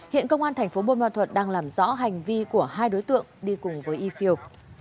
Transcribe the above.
hiện công an tp bun ma thuật đang làm rõ hành vi của hai đối tượng đi cùng với yfio